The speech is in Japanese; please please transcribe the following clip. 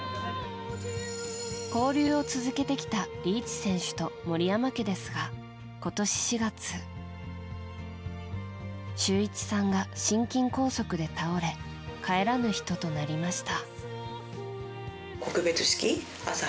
交流を続けてきたリーチ選手と森山家ですが今年４月修一さんが心筋梗塞で倒れ帰らぬ人となりました。